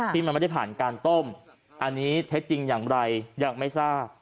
ที่มันไม่ได้ผ่านการต้มอันนี้เท็จจริงอย่างไรยังไม่ทราบ